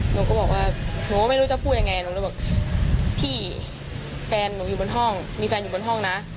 หนูก็บอกว่าหนูก็ไม่รู้จะพูดยังไงหนูเลยบอกพี่แฟนหนูอยู่บนห้องมีแฟนอยู่บนห้องนะ